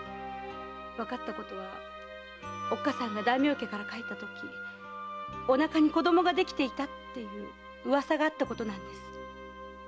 わかったことはおっかさんが大名家から帰ったときお腹に子供ができていたという噂があったことなんです。